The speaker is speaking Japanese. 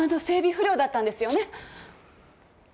不良だったんですよね？